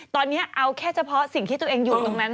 ตอนนี้เอาแค่เฉพาะสิ่งที่ตัวเองอยู่ตรงนั้น